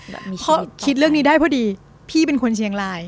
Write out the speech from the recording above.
แบบมีชีวิตเพราะคิดเรื่องนี้ได้พอดีพี่เป็นคนเชียงราย